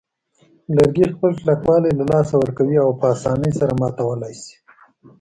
لرګي خپل کلکوالی له لاسه ورکوي او په آسانۍ سره ماتولای شي.